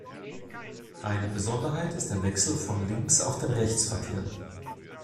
Eine Besonderheit ist der Wechsel vom Links- auf den Rechtsverkehr.